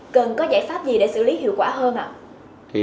cần có giải pháp gì để xử lý hiệu quả hơn ạ